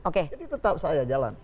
jadi tetap saya jalan